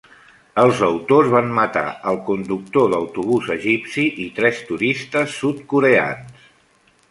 Els autors van matar el conductor d'autobús egipci i tres turistes sud-coreans.